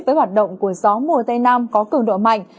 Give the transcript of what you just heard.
với hoạt động của gió mùa tây nam có cường độ mạnh